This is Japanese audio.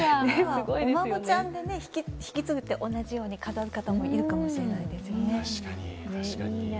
お孫ちゃんで引き継いで同じように飾る方もいるかもしれないですよね。